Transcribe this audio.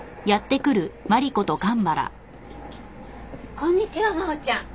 こんにちは真央ちゃん。